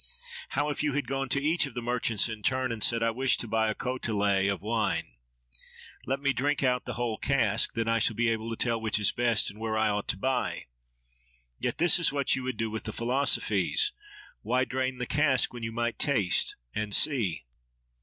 How if you had gone to each of the merchants in turn, and said, 'I wish to buy a cotylé of wine. Let me drink out the whole cask. Then I shall be able to tell which is best, and where I ought to buy.' Yet this is what you would do with the philosophies. Why drain the cask when you might taste, and see?